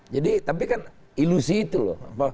tapi kan ilusi itu loh